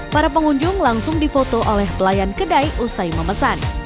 para pengunjung langsung difoto oleh pelayan kedai usai memesan